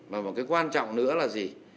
mà một cái quan trọng nữa là gì